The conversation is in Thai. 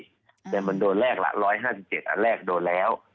แต่อยากเปิดว่ามันโดนแรกละ๑๕๗อันแรกโดนแล้ว